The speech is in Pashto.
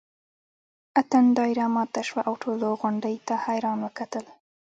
اتڼ دایره ماته شوه او ټولو غونډۍ ته حیران وکتل.